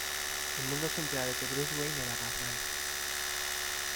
El mundo se entera de que Bruce Wayne era Batman.